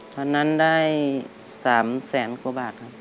ตอนนั้นได้๓แสนกว่าบาทครับ